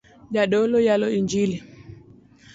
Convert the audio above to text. Jadolo yalo injili